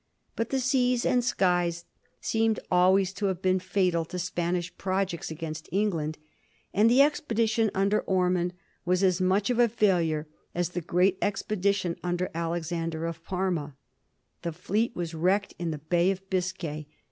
But the seas and skies seem always to have been fatal to Spanish projects against England, and the expedition under Ormond was as much of a failure as the far greater expedition under Alexander of Parma. The fleet was wrecked in the Bay of Biscay.